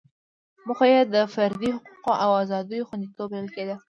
موخه یې د فردي حقوقو او ازادیو خوندیتوب بلل کېده.